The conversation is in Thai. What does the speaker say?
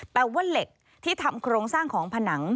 ว่าเหล็กที่ทำโครงสร้างของผนัง